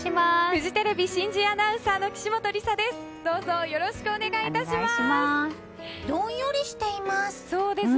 フジテレビ新人アナウンサーの岸本理沙です。